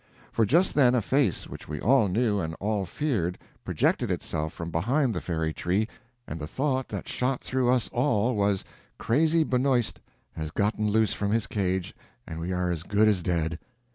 For just then a face which we all knew and all feared projected itself from behind the Fairy Tree, and the thought that shot through us all was, crazy Benoist has gotten loose from his cage, and we are as good as dead!